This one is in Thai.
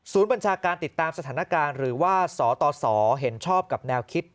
บัญชาการติดตามสถานการณ์หรือว่าสตสเห็นชอบกับแนวคิด